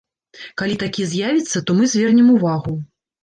Калі такі з'явіцца, то мы звернем увагу.